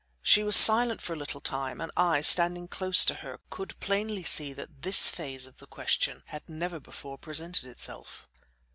She was silent for a little time, and I, standing close to her, could plainly see that this phase of the question had never before presented itself.